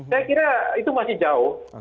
saya kira itu masih jauh